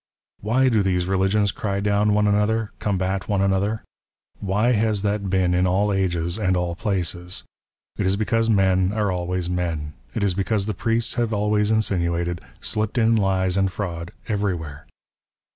" Why do these religions cry down one another, combat ^' one another ? Why has that been in all ages, and all places ?" It is because men are always men. It is because the Priests " have always insinuated, slipped in lies and fraud every " where.